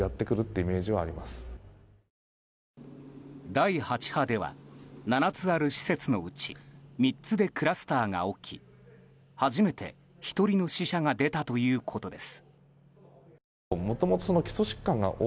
第８波では７つある施設のうち３つでクラスターが起き初めて１人の死者が出たということです。